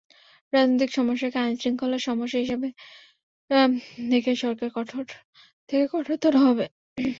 রাজনৈতিক সমস্যাকে আইনশৃঙ্খলার সমস্যা হিসেবে দেখে সরকার কঠোর থেকে কঠোরতর হবে।